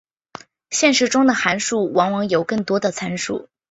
现实中的函数往往有更多的参数。